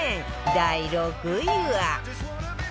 第６位は